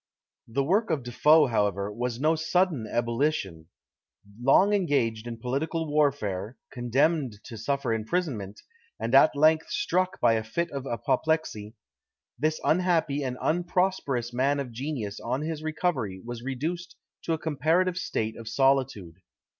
The work of De Foe, however, was no sudden ebullition: long engaged in political warfare, condemned to suffer imprisonment, and at length struck by a fit of apoplexy, this unhappy and unprosperous man of genius on his recovery was reduced to a comparative state of solitude.